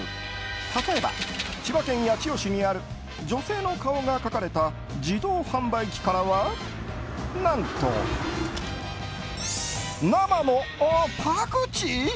例えば、千葉県八千代市にある女性の顔が描かれた自動販売機からは何と生のパクチー？